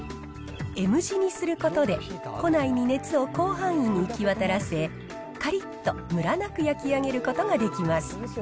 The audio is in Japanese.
Ｍ字にすることで、庫内に熱を広範囲に行き渡らせ、かりっとむらなく焼き上げることができます。